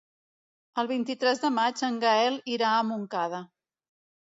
El vint-i-tres de maig en Gaël irà a Montcada.